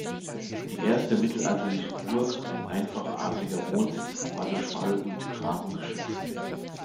Die erste mittelalterliche Burg, ein einfacher adliger Wohnsitz, war durch Wall und Graben geschützt.